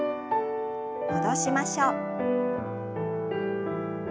戻しましょう。